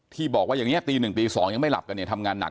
ที่บอกว่าอย่างนี้ตี๑ตี๒ยังไม่หลับกันเนี่ยทำงานหนัก